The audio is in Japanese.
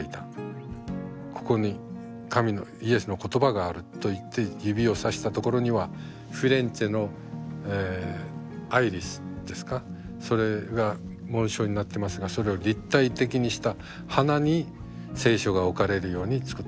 ここに神のイエスの言葉があると言って指をさしたところにはフィレンツェのアイリスですかそれが紋章になってますがそれを立体的にした花に聖書が置かれるように作った。